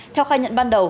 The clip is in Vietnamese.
theo khai nhận ban đầu